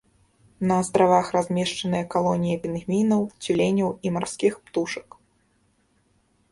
На астравах размешчаныя калоніі пінгвінаў, цюленяў і марскіх птушак.